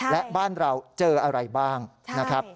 และบ้านเราเจออะไรบ้างนะครับ